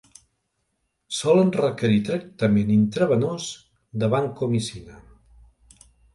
Solen requerir tractament intravenós de vancomicina.